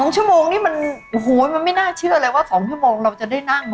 ๒ชั่วโมงนี้มันโอ้โหมันไม่น่าเชื่อเลยว่า๒ชั่วโมงเราจะได้นั่ง